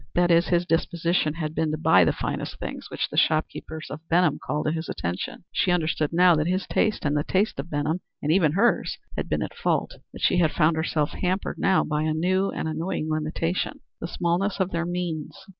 That is, his disposition had been to buy the finest things which the shopkeepers of Benham called to his attention. She understood now that his taste and the taste of Benham, and even her's, had been at fault, but she found herself hampered now by a new and annoying limitation, the smallness of their means.